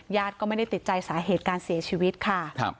ญาติก็ไม่ได้ติดใจสาเหตุการเสียชีวิตค่ะ